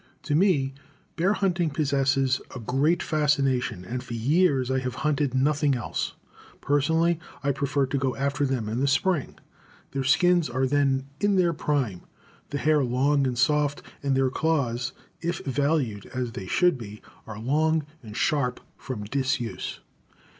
To me, bear hunting possesses a great fascination, and for years I have hunted nothing else. Personally I prefer to go after them in the spring. Their skins are then in their prime, the hair long and soft, and their claws (if valued as they should be) are long and sharp from disuse.